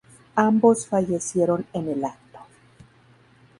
Ambos fallecieron en el acto.